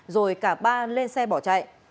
rồi cả ba lên xe bỏ chạy